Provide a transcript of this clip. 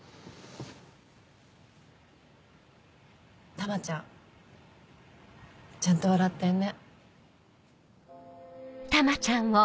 タマちゃんちゃんと笑ってんね。